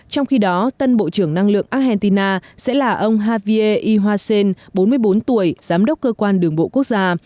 trong khi đó tân bộ trưởng năng lượng argentina sẽ là ông javier i hacen bốn mươi bốn tuổi giám đốc cơ quan đường bộ quốc gia